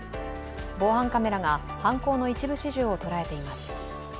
防犯カメラが犯行の一部始終を捉えています。